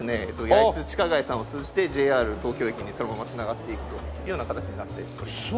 八重洲地下街さんを通じてＪＲ東京駅にそのまま繋がっていくというような形になっております。